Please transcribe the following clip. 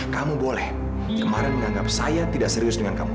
kamu boleh kemarin menganggap saya tidak serius dengan kamu